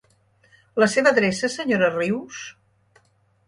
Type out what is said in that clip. La seva adreça senyora Rius?